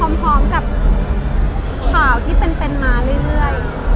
เอาตรงเลยนะคะก็ทราบพร้อมกับข่าวที่เป็นมาเรื่อย